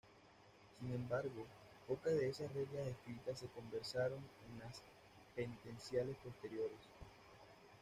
Sin embargo, pocas de esas reglas escritas se conservaron en las penitenciales posteriores.